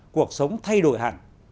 cuộc sống thay đổi hẳn